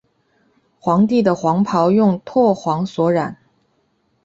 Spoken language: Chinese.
皇帝的黄袍用柘黄所染。